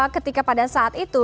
ketika pada saat itu